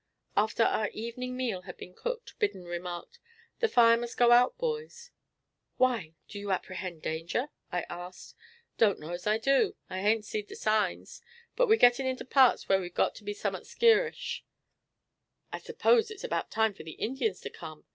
After our evening meal had been cooked, Biddon remarked: "The fire must go out, boys." "Why? Do you apprehend danger?" I asked. "Don't know as I do; I hain't seed signs, but we're gittin' into parts whar we've got to be summat skeerish." "I suppose it's about time for the Indians to come?"